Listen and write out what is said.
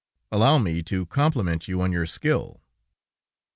"Allow me to compliment you on your skill."